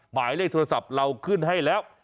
หมายเลขโทรศัพท์เราขึ้นให้แล้ว